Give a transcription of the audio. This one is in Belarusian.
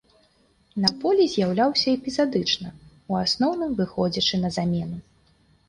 На полі з'яўляўся эпізадычна, у асноўным выходзячы на замену.